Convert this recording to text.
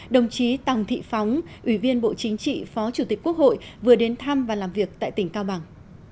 đồng chí tòng thị phóng ủy viên bộ chính trị phó chủ tịch quốc hội vừa đến thăm và làm việc tại tỉnh cao bằng